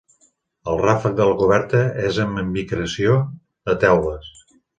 El ràfec de la coberta és amb imbricació de teules.